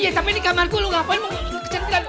iya tapi ini kamar gue lo ngapain mau kecantikan